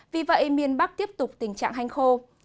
vì vậy miền bắc tiếp tục tình trạng hanh khô